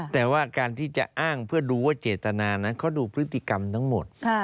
แต่ว่าการที่จะอ้างเพื่อดูว่าเจตนานั้นเขาดูพฤติกรรมทั้งหมด